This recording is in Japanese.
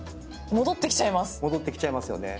戻ってきちゃいますよね。